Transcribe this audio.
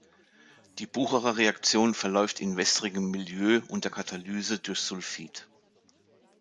Die Bucherer-Reaktion verläuft in wässrigem Milieu unter Katalyse durch Sulfit.